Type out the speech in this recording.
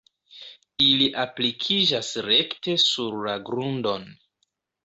Ili aplikiĝas rekte sur la grundon.